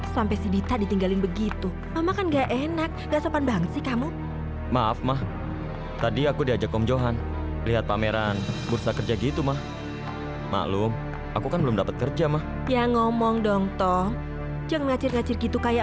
sampai jumpa di video selanjutnya